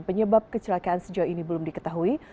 penyebab kecelakaan sejauh ini belum diketahui